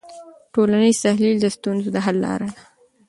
ټولنیز تحلیل د ستونزو د حل لاره ده.